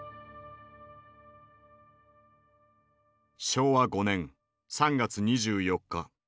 昭和５年３月２４日。